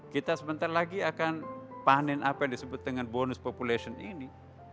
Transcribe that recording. kita sebentar lagi akan panen apa yang disebut dengan bonus population ini